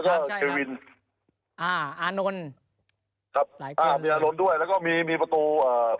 ใช่ไหมฮะแล้วก็อ่าอานนท์ครับอ่ามีอารนท์ด้วยแล้วก็มีมีประตู